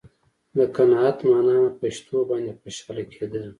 د قناعت معنا په شتو باندې خوشاله کېدل.